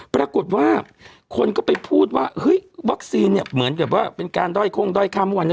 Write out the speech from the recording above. ปรากฏว่าคนก็ไปพูดว่าเฮ้ยวัคซีนเนี่ยเหมือนกับว่าเป็นการด้อยโค้งด้อยค่าเมื่อวานเนี่ย